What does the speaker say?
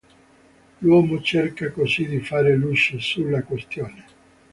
L'uomo cerca così di fare luce sulla questione.